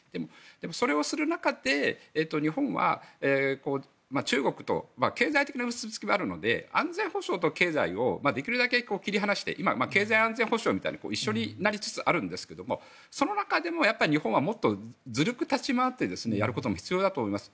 それをする中で日本は、中国と経済的な結びつきはあるので安全保障と経済をできるだけ切り離して今、経済と安全保障みたいな一緒になりつつあるんですけどその中でも日本はもっとずるく立ち回ってやることも必要だと思います。